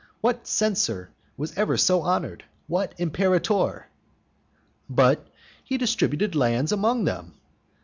What censor was ever so honoured? what imperator? "But he distributed land among them".